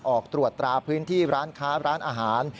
ออกตรวจตราพื้นที่ร้านค้าร้านอาหาร